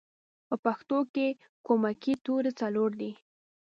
په پښتو کې کومکی توری څلور دی